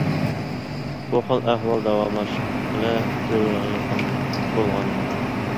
بۇ خىل ئەھۋال داۋاملاشقىلى بىر يىلغا يېقىن بولغان ئىدى.